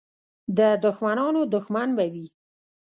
د دښمنانو دښمن به وي.